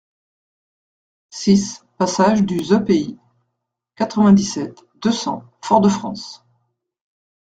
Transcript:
six passage du The Pays, quatre-vingt-dix-sept, deux cents, Fort-de-France